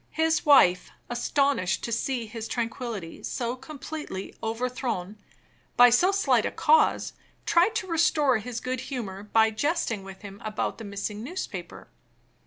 His wife, astonished to see his tranquillity so completely overthrown by so slight a cause, tried to restore his good humor by jesting with him about the missing newspaper.